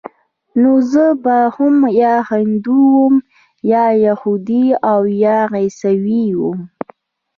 نو زه به هم يا هندو وم يا يهود او يا به عيسوى وم.